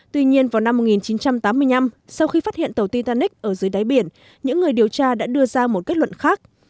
tuy nhiên vào năm một nghìn chín trăm tám mươi năm sau khi phát hiện tàu titanic ở dưới đáy biển những người điều tra đã đưa ra một kết luận khác